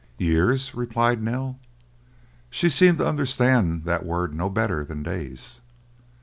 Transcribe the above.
"Years?" replied Nell. She seemed to understand that word no better than days!